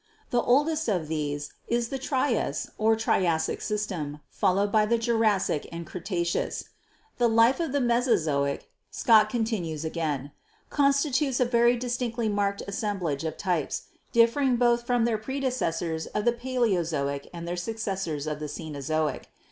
The oldest of these is the Trias or Triassic system, followed by the Jurassic and Cretaceous. "The life of the Mesozoic," Scott continues again, "con stitutes a very distinctly marked assemblage of types, dif fering both from their predecessors of the Paleozoic and their successors of the Cenozoic.